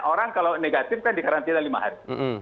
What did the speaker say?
orang kalau negatif kan dikarantinan lima hari